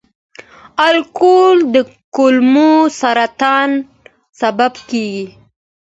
الکول د کولمو سرطان سبب کېږي.